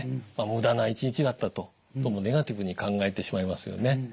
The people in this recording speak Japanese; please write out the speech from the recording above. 「無駄な一日だった」とネガティブに考えてしまいますよね。